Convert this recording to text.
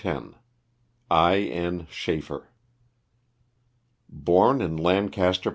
313 I. N. SHEAFFER. DOEN in Lancaster, Pa.